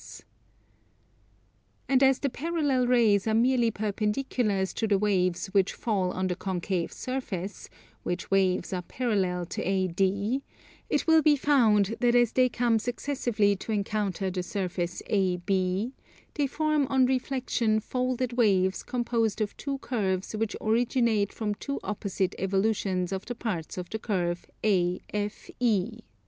And as the parallel rays are merely perpendiculars to the waves which fall on the concave surface, which waves are parallel to AD, it will be found that as they come successively to encounter the surface AB, they form on reflexion folded waves composed of two curves which originate from two opposite evolutions of the parts of the curve AFE.